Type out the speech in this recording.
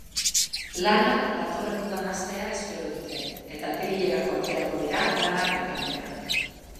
Lanak datorren udan hastea espero dute, eta apririlerako aterako dira lanak enkantean.